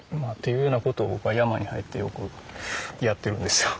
いうような事を僕は山に入ってよくやってるんですよ。